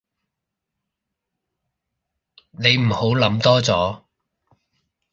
你唔好諗多咗